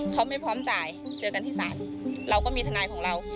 เขาไม่พร้อมจ่ายเจอกันที่ศาลเราก็มีทนายของเรา